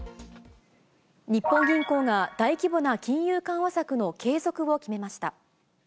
日本銀行が大規模な金融緩和策の継続を決めました。